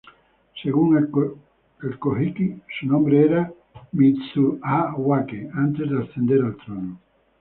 Según el Kojiki, su nombre era "Mizu-ha-wake" antes de ascender al trono.